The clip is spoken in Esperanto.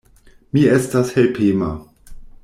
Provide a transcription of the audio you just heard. Mi estas helpema.